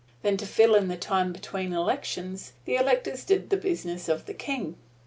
Then to fill in the time between elections, the electors did the business of the King.